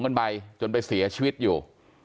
กันไปจนไปเสียชีวิตอยู่